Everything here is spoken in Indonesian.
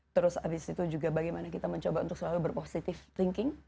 terus abis itu juga bagaimana kita mencoba untuk selalu berpositif thinking